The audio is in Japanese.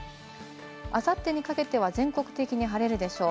明後日にかけては全国的に晴れるでしょう。